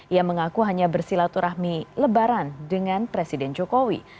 ia mengaku hanya bersilaturahmi lebaran dengan presiden jokowi